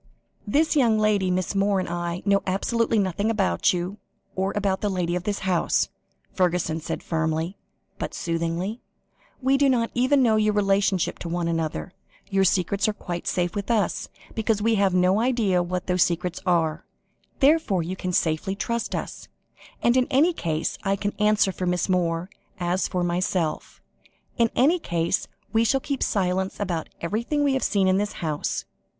"This young lady, Miss Moore, and I, know absolutely nothing about you, or about the lady of this house," Fergusson said firmly, but soothingly. "We do not even know your relationship to one another. Your secrets are quite safe with us, because we have no idea what those secrets are. Therefore, you can safely trust us. And, in any case, I can answer for Miss Moore, as for myself in any case, we shall keep silence about everything we have seen in this house."